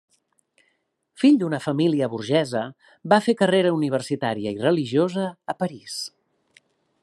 Fill d'una família burgesa, va fer carrera universitària i religiosa a París.